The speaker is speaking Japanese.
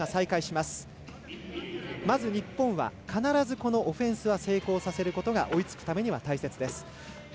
まず日本は必ずこのオフェンスは成功させることが追いつくためには大切です。